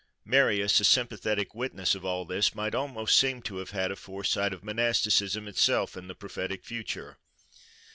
—Marius, a sympathetic witness of all this, might almost seem to have had a foresight of monasticism itself in the prophetic future.